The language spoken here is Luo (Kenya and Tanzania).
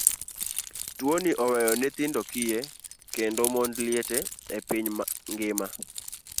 Tuoni oweyo nyithindo kiye kendo mond liete e piny ngima.